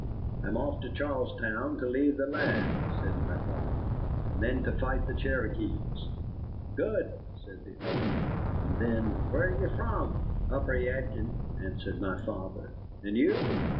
"I'm off to Charlestown to leave the lad," said my father, "and then to fight the Cherokees." "Good," said the other. And then, "Where are you from?" "Upper Yadkin," answered my father. "And you?"